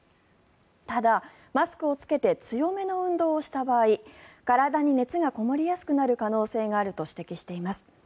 ただ、マスクを着けて強めの運動をした場合体に熱がこもりやすくなる可能性があると指摘しています。